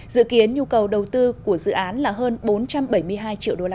dự kiến nhu cầu đầu tư của dự án là hơn bốn trăm bảy mươi hai triệu usd